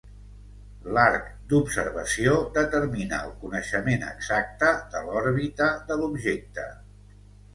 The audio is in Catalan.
L'arc d'observació determina el coneixement exacte de l'òrbita de l'objecte.